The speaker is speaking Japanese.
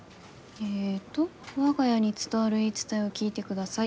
えっと「我が家に伝わる言い伝えを聞いてください！